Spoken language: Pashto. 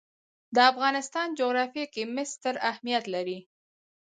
د افغانستان جغرافیه کې مس ستر اهمیت لري.